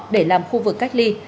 để làm khu vực cách ly